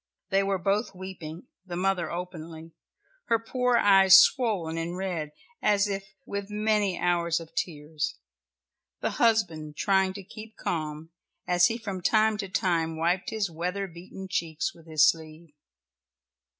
They were both weeping, the mother openly, her poor eyes swollen and red as if with many hours of tears, the husband trying to keep calm, as he from time to time wiped his weather beaten cheeks with his sleeve.